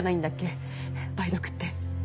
梅毒って。